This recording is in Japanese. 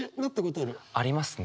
ありますね。